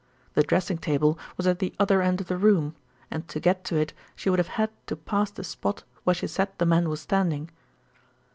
The dressing table was at the other end of the room, and to get to it she would have had to pass the spot where she said the man was standing."